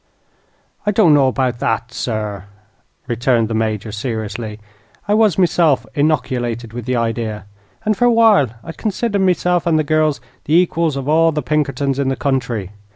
"I don't know about that, sir," returned the Major, seriously. "I was meself inoculated with the idea, and for a while I considered meself and the girls the equals of all the Pinkertons in the country.